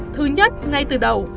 thứ nhất ngay từ đầu